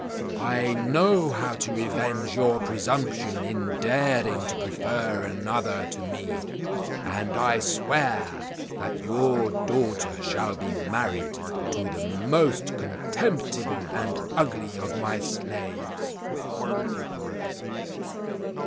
I know how to revenge your presumption in daring to prefer another to me, and I swear that your daughter shall be married to the most contemptible and ugly of my slaves.'